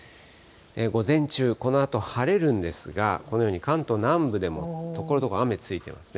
午前中、このあと晴れるんですが、このように関東南部でもところどころ雨、ついてますね。